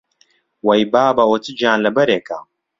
وەی بابە، ئەوە چ گیانلەبەرێکە!